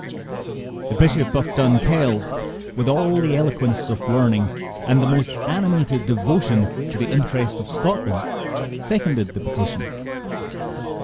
The Bishop of Dunkeld, with al the eloquence of learning and the most animated devotion to the interest of Scotland, seconded the petition.